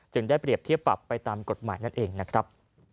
ได้เปรียบเทียบปรับไปตามกฎหมายนั่นเองนะครับ